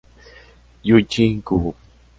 Yuichi Kubo